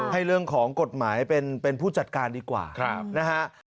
ให้เรื่องของกฎหมายเป็นผู้จัดการดีกว่านะฮะ